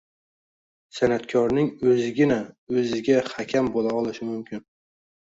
San’atkorning o‘zigina o‘ziga hakam bo‘la olishi mumkin.